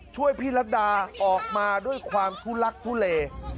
ช่วยพี่รัฐดาออกมาด้วยความทุลักทุเล